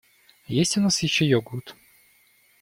Есть у нас ещё йогурт?